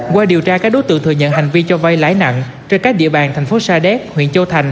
qua điều tra các đối tượng thừa nhận hành vi cho vay lãi nặng trên các địa bàn thành phố sa đéc huyện châu thành